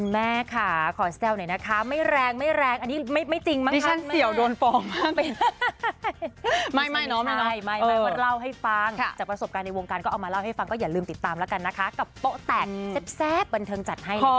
สาการที่ดูได้มาเต็มนะ๓คนนะจ๊ะ